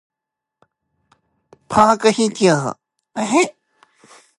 ポークシチュー